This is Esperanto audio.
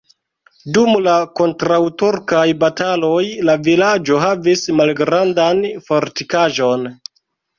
Dum la kontraŭturkaj bataloj la vilaĝo havis malgrandan fortikaĵon.